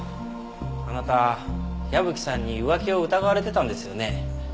あなた矢吹さんに浮気を疑われてたんですよね？